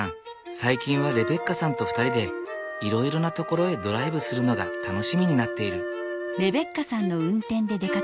最近はレベッカさんと２人でいろいろな所へドライブするのが楽しみになっている。